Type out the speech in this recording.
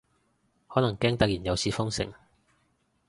可能驚突然又試封城